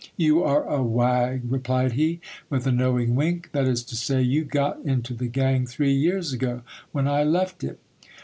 You are a wag ! replied he, with a knowing wink, that is to say, you got into the gang three years ago, when I left it.